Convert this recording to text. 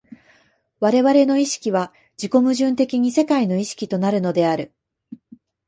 我々の意識は自己矛盾的に世界の意識となるのである。